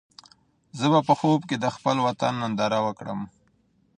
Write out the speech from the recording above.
زه به په خوب کې د خپل وطن ننداره وکړم.